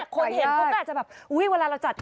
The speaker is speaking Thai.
คนเห็นก็อาจจะเวลาเราจัดงาน